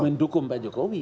mendukung pak jokowi